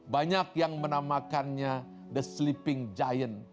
banyak yang menamakannya the sleeping giant